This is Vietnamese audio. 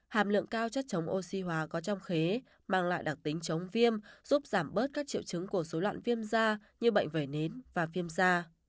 hàm lượng cao chất chống oxy hòa có trong khế mang lại đặc tính chống viêm giúp giảm bớt các triệu chứng của số loạn viêm da như bệnh vẩy nến và viêm da